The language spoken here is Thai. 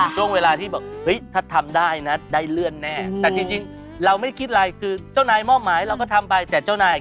ใช่แม่แต่ยังเหลืออีก๒เดือนค่ะนั่นก็คือเดือน